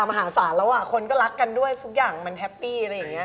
มหาศาลแล้วอ่ะคนก็รักกันด้วยทุกอย่างมันแฮปปี้อะไรอย่างนี้